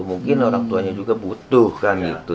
mungkin orang tuanya juga butuh kan gitu